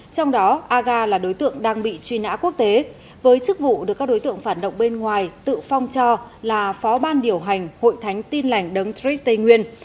trong đó aga là đối tượng đang bị truy nã quốc tế với chức vụ được các đối tượng phản động bên ngoài tự phong cho là phó ban điều hành hội thánh tin lành đấng trích tây nguyên